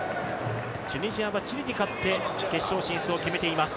チュニジアはチリに勝って決勝進出を決めています。